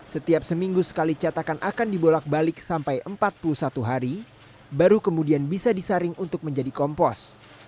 setiap seminggu sekali catakan akan dibolak balik sampai empat puluh satu hari baru kemudian bisa disaring untuk menjadi kompos